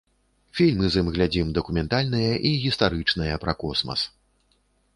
Фільмы з ім глядзім дакументальныя і гістарычныя пра космас.